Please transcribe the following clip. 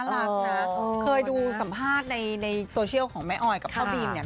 รักนะเคยดูสัมภาษณ์ในโซเชียลของแม่ออยกับพ่อบีมเนี่ย